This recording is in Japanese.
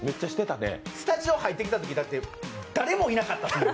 スタジオ入ってきたときだって、誰もいなかった。